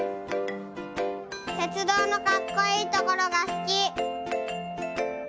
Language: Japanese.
鉄道のかっこいいところがすき。